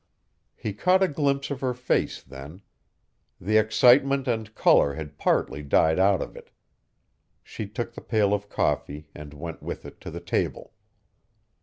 He caught a glimpse of her face then. The excitement and color had partly died out of it. She took the pail of coffee and went with it to the table.